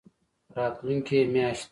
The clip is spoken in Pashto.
راتلونکې میاشت